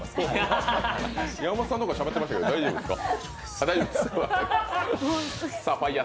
山本さんの方がしゃべってましたけど大丈夫ですか？